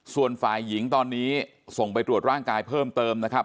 ส่วนฝ่ายหญิงตอนนี้ส่งไปตรวจร่างกายเพิ่มเติมนะครับ